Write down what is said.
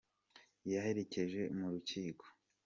yaherekeje mu rukiko